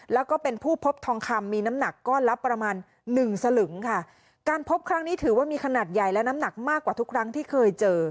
แล้วก็เป็นผู้พบทองคำมีน้ำหนักก้อนละประมาณหนึ่งสลึงค่ะการพบครั้งนี้ถือว่ามีขนาดใหญ่และน้ำหนักมากกว่าทุกครั้งที่เคยเจอ